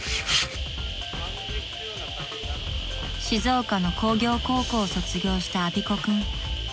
［静岡の工業高校を卒業した安孫子君］